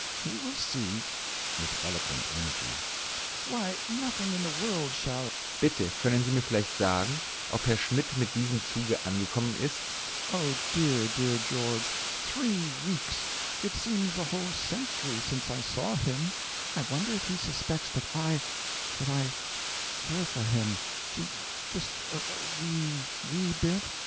He will see. (With eloquent energy.) Why, nothing in the world shall Bitte, konnen Sie mir vielleicht sagen, ob Herr Schmidt mit diesem Zuge angekommen ist? Oh, dear, dear George three weeks! It seems a whole century since I saw him. I wonder if he suspects that I that I care for him j just a wee, wee bit?